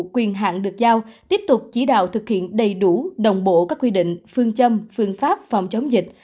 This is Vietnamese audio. quyền hạn được giao tiếp tục chỉ đạo thực hiện đầy đủ đồng bộ các quy định phương châm phương pháp phòng chống dịch